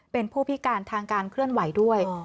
เป็นผู้พิการทางการเคลื่อนไหวด้วย